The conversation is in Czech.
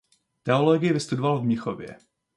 Teologii vystudoval v Mnichově.